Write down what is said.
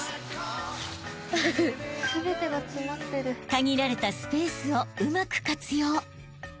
［限られたスペースをうまく活用］